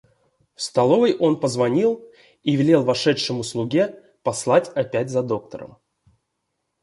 В столовой он позвонил и велел вошедшему слуге послать опять за доктором.